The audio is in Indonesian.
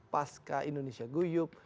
pasca indonesia guyup